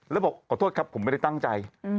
แล้วบอกขอโทษครับผมไม่ได้ตั้งใจ